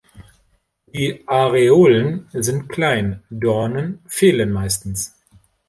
Die Areolen sind klein, Dornen fehlen meistens.